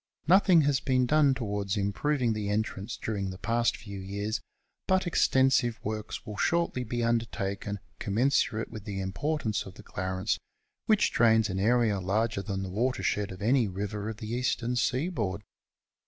Nothing has been done towards improving the entrance during the past few years, bat extensive works will shortly be undertaken commensurate with the imj)ortance of the Clarence, which drains an area larger than the watershed of any river of the eastern seaboard.